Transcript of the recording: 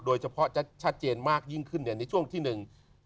โดยเฉพาะจะชัดเจนมากยิ่งขึ้นเนี่ยในช่วงที่หนึ่ง